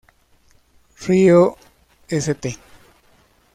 Río St.